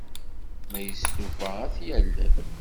Ma yestufa, ad t-yalel.